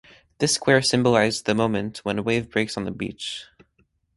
This square symbolised the moment when a wave breaks on the beach.